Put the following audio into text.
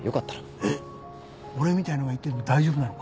えっ俺みたいのが行っても大丈夫なのか？